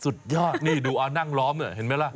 สุดยอดนี่ดูอ้านั่งล้อมเห็นไหมล่ะ